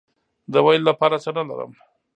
د ویلو لپاره څه نه لرم